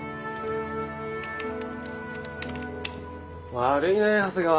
悪いね長谷川。